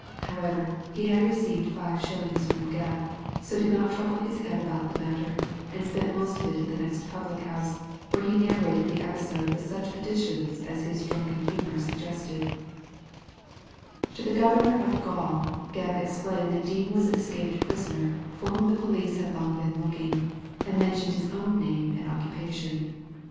However, he had received five shillings from Gebb, so did not trouble his head about the matter, and spent most of it at the next public house, where he narrated the episode with such additions as his drunken humour suggested Digitized by Google FOUND AT LAST 217 To the governor of the gaol Gebb explained that Dean was an escaped prisoner^ for whom the police had long been looking, and mentioned his own name and occupation.